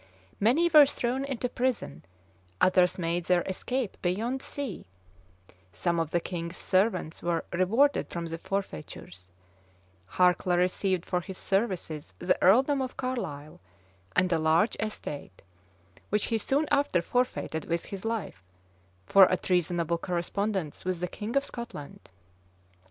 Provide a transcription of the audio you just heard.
Many were thrown into prison: others made their escape beyond sea: some of the king's servants were rewarded from the forfeitures: Harcla received for his services the earldom of Carlisle, and a large estate, which he soon after forfeited with his life, for a treasonable correspondence with the king of Scotland.